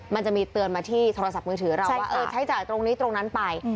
มันจะมีเตือนมาที่โทรศัพท์มือถือเราว่าเออใช้จ่ายตรงนี้ตรงนั้นไป